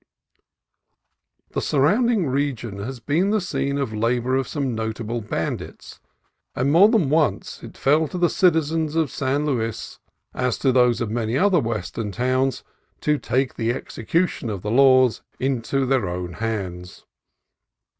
The surrounding region has been the scene of la bor of some notable bandits, and more than once it fell to the citizens of San Luis, as to those of many other Western towns, to take the execution of the laws into their own hands.